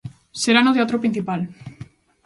Será no Teatro Principal.